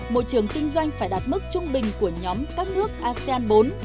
môi trường kinh doanh phải đạt mức trung bình của nhóm các nước asean bốn